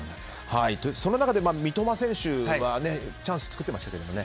その中で、三笘選手はチャンス作ってましたけどね。